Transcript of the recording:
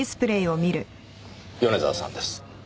米沢さんです。